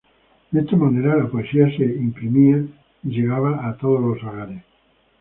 De esta manera, la poesía se imprimía y llegaba a todos los hogares.